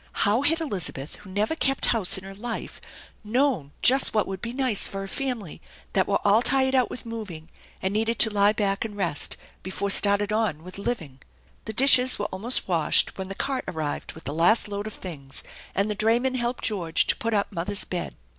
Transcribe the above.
How had Elizabeth, who never kept house in her life, known just what would be nice for a family 138 THE ENCHANTED BARN were all tired out with moving, and needed to lie back and rest before starting on with living? The dishes were almost washed when the cart arrived with the last load of things, and the drayman helped George to put up mother's bed.